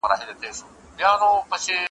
بله لار نسته دا حکم د ژوندون دی `